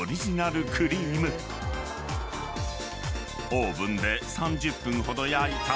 ［オーブンで３０分ほど焼いた］